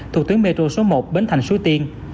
thuộc tuyến metro số một bến thành số tiên